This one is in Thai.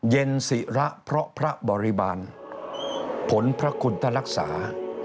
เย็นศิระเพราะพระบริบาลผลพระคุณตรักษา